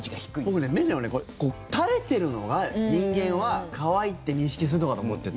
僕、目でも垂れてるのが人間は可愛いって認識するのかと思ってた。